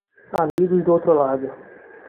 Amigos do outro lado